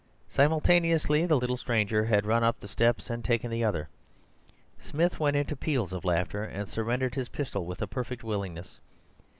Simultaneously the little stranger had run up the steps and taken the other. Smith went into peals of laughter, and surrendered his pistol with perfect willingness.